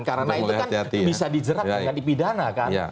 karena itu kan bisa dijerat dengan dipidanakan